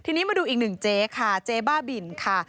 ทีนี้มาดูอีกหนึ่งเจ๊ค่ะเจ๊บ้าบินค่ะ